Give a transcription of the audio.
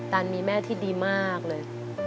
ตันมีแม่ที่ดีมากเลย